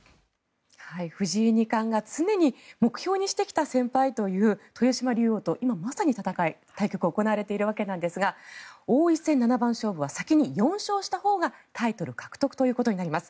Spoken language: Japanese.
藤井二冠が常に目標にしてきた先輩という豊島竜王と今まさに、戦い対局が行われているわけですが王位戦七番勝負は先に４勝したほうがタイトル獲得ということになります。